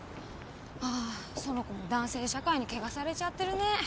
ああ園子も男性社会に汚されちゃってるね。